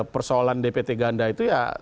persoalan dpt ganda itu ya